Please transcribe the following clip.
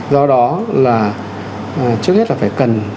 do đó là trước hết là phải cần